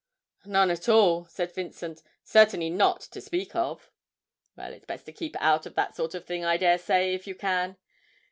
'None at all,' said Vincent; 'certainly not to speak of.' 'Well, it's best to keep out of that sort of thing, I dare say, if you can.